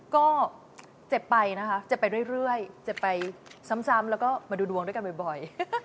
ก็เจ็บไปนะคะเจ็บไปเรื่อยเจ็บไปซ้ำแล้วก็มาดูดวงด้วยกันบ่อย